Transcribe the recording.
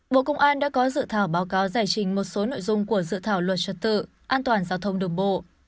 bộ công an đã có dự thảo báo cáo giải trình một số nội dung của dự thảo luật trật tự an toàn giao thông đường bộ